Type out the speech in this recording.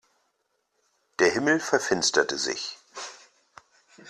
Der Himmel verfinsterte sich.